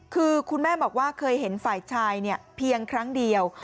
คือคุณแม่บอกว่าเคยเห็นฝ่ายชายเพียงครั้งเดียว